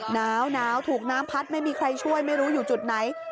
หนาวถูกน้ำพัดไม่มีใครช่วยไม่รู้อยู่จุดไหน